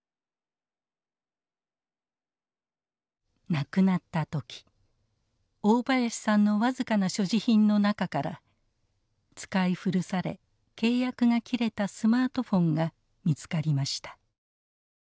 亡くなったとき大林さんの僅かな所持品の中から使い古され契約が切れたスマートフォンが見つかりました。